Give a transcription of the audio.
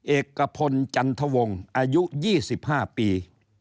เอกพลจันทวงศ์อายุ๒๕ปี